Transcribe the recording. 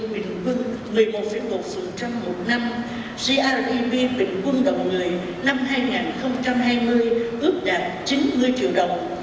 tốc độ tăng trưởng kinh tế grdp bình quân một mươi một một một năm grdp bình quân đồng người năm hai nghìn hai mươi ước đạt chín mươi triệu đồng